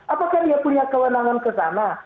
apakah dia punya kewenangan ke sana